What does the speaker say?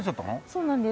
そうなんです。